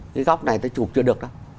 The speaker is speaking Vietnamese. cái góc này tao chụp chưa được đó